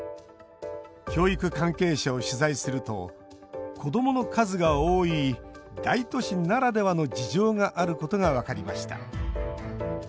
教育関係者を取材すると子どもの数が多い大都市ならではの事情があることが分かりました。